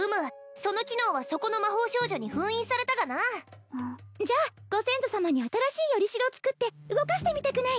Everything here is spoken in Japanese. その機能はそこの魔法少女に封印されたがなじゃご先祖様に新しい依り代を作って動かしてみたくない？